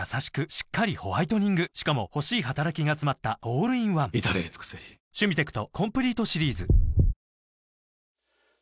しっかりホワイトニングしかも欲しい働きがつまったオールインワン至れり尽せりうまいやつスープワイルド！